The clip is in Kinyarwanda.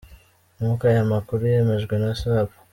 Nk’uko aya makuru yemejwe na Sup.